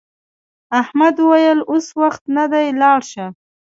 احمد وویل اوس وخت نه دی لاړ شه.